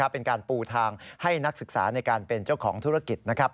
เป็นการปูทางให้นักศึกษาในการเป็นเจ้าของธุรกิจ